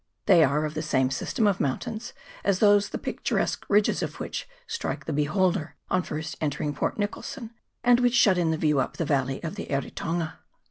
They are of the same system of mountains as tl the picturesque ridges of which strike the beholder on first entering Port Nicholson, and which >hut in the view up the valley of the Eritonga.